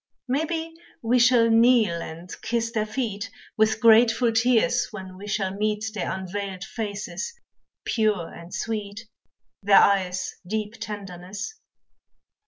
Maybe we shall kneel and kiss their feet, With grateful tears, when we shall meet Their unveiled faces, pure and sweet, Their eyes' deep tenderness.